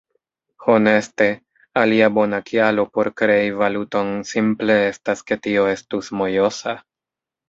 Honeste, alia bona kialo por krei valuton simple estas ke tio estus mojosa.